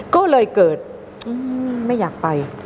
ก็เลยเกิดไม่อยากไป